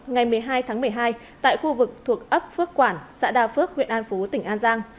ngày một mươi hai tháng một mươi hai tại khu vực thuộc ấp phước quản xã đa phước huyện an phú tỉnh an giang